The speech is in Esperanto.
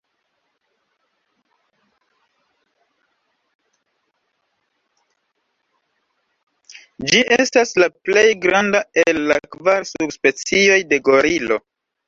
Ĝi estas la plej granda el la kvar subspecioj de gorilo.